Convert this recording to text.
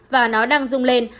và nó đang rung lên